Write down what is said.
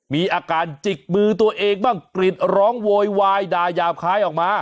มีอาการจิกมือตัวเองบ้างกรีดร้องโวยวายด่ายาบคล้ายออกมา